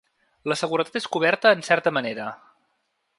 La seguretat és coberta en certa manera.